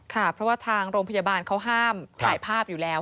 ค่ะเพราะว่าทางโรงพยาบาลเขาห้ามถ่ายภาพอยู่แล้ว